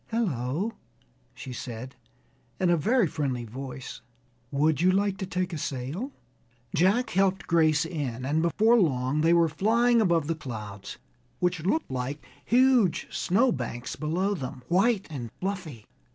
"Hello!" she said, in a very friendly voice: "would you like to take a sail?" Jack helped Grace in, and before long they were flying above the clouds, which looked like huge snow banks below them, white and fluffy.